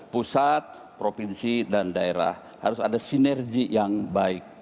pusat provinsi dan daerah harus ada sinergi yang baik